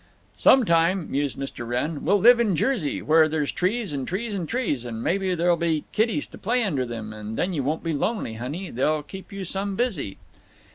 "Sometime," mused Mr. Wrenn, "we'll live in Jersey, where there's trees and trees and trees—and maybe there'll be kiddies to play under them, and then you won't be lonely, honey; they'll keep you some busy!"